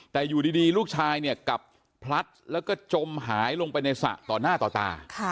แต่อยู่ดีลูกชายเนี่ยกลับพลัดแล้วก็จมหายลงไปในสระต่อหน้าต่อตา